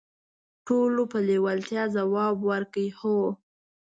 ټولو په لیوالتیا ځواب ورکړ: "هو".